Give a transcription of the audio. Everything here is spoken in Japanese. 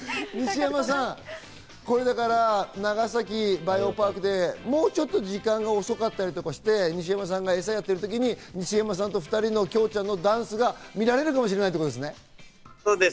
長崎バイオパークでもうちょっと時間が遅かったりとかして西山さんがエサをやってるときに西山さんとキョウちゃんの２人のダンスが見られるかもしれないってことですね。